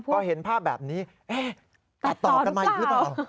ก็เห็นภาพแบบนี้เอ๊ะตัดต่อกันไหมหรือเปล่า